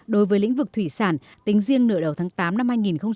đối với lĩnh vực thủy sản tính riêng nửa đầu tháng tám năm hai nghìn hai mươi